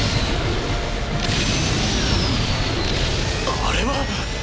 あれは！